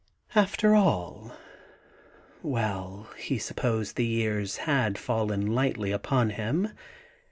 After alll ... Well, he supposed the years had fallen lightly upon him.